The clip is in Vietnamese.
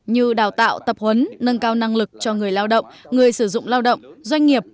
như đào tạo tập huấn nâng cao năng lực cho người lao động người sử dụng lao động doanh nghiệp